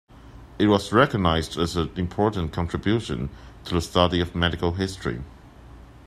It was recognized as an important contribution to the study of medical history.